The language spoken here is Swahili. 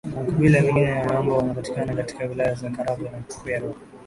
Makabila mengine ni Wanyambo wanaopatikana katika Wilaya za Karagwe na Kyerwa